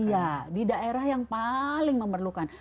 iya di daerah yang paling memerlukan